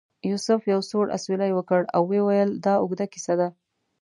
یوسف یو سوړ اسویلی وکړ او ویل یې دا اوږده کیسه ده.